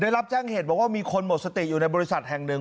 รับแจ้งเหตุบอกว่ามีคนหมดสติอยู่ในบริษัทแห่งหนึ่ง